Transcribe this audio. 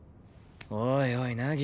おいおい凪